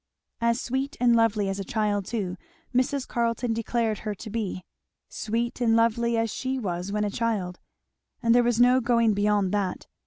As sweet and lovely as a child too, Mrs. Carleton declared her to be; sweet and lovely as she was when a child; and there was no going beyond that.